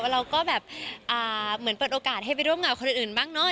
เราก็แบบเหมือนเปิดโอกาสให้ไปร่วมงานคนอื่นบ้างเนอะ